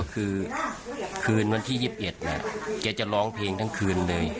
คือคืนวันที่๒๑แกจะร้องเพลงทั้งคืนเลย